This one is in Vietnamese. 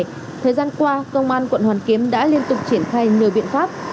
trong thời gian vừa qua công an quận hoàn kiếm đã liên tục triển khai nửa biện pháp